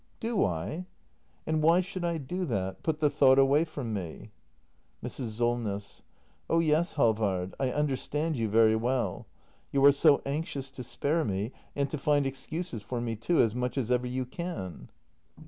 ] Do I ? And why should I do that? Put the thought away from me ? Mrs. Solness. Oh yes, Halvard, I understand you very well. You are so anxious to spare me — and to find excuses for me too — as much as ever you can.